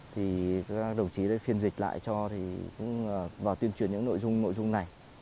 thì các đồng chí đây phiên dịch lại cho thì cũng vào tuyên truyền những nội dung này